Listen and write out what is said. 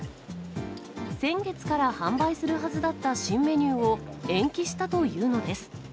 先月から販売するはずだった新メニューを延期したというのです。